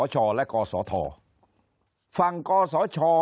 คนในวงการสื่อ๓๐องค์กร